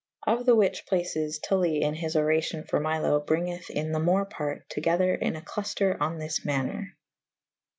Of the whiche places Tully in his oracio« for Milo bri«geth in the more parte to gyther in a clutter on this maner.